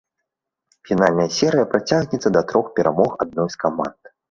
Фінальная серыя працягнецца да трох перамог адной з каманд.